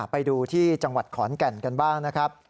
ไปดูที่จังหวัดขอนแก่นกันบ้างนะครับ